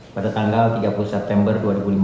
pada tanggal tiga puluh september dua ribu lima belas